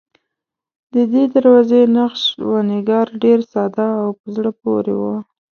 ددې دروازې نقش و نگار ډېر ساده او په زړه پورې و.